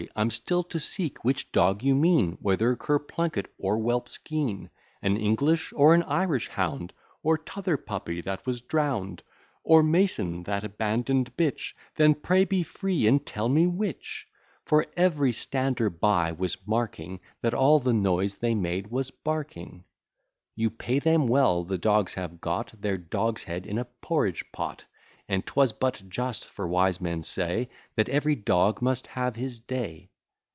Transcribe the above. I'm still to seek, which dog you mean; Whether cur Plunkett, or whelp Skean, An English or an Irish hound; Or t'other puppy, that was drown'd; Or Mason, that abandon'd bitch: Then pray be free, and tell me which: For every stander by was marking, That all the noise they made was barking. You pay them well, the dogs have got Their dogs head in a porridge pot: And 'twas but just; for wise men say, That every dog must have his day.